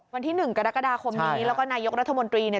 วันที่๑กรกฎาคมนี้และก็นายกรัฐมนตรี